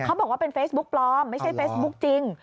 เขาบอกว่าเป็นเฟซบุ๊กปลอมไม่ใช่เฟซบุ๊กจริง